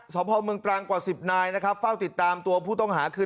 สภาพเมืองตรังกว่า๑๐นายนะครับเฝ้าติดตามตัวผู้ต้องหาคือ